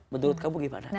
menurut kamu gimana